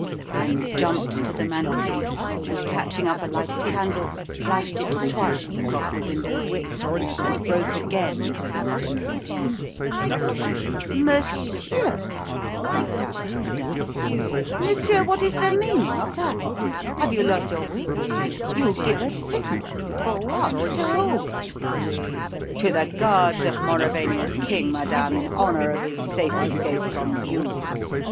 Then jumped to the mantelpiece, and catching up a lighted candle, flashed it twice across the window's width, and broke again into the national hymn. "Monsieur," cried out madame, "monsieur, what is the meaning of that? Have you lost your wits? You give a signal! For what? To whom?" "To the guards of Mauravania's king, madame, in honour of his safe escape from you!"